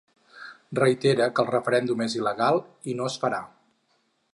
Reitera que el referèndum és il·legal i no es farà.